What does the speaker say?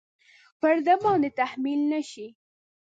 پر ده باندې تحمیل نه شي.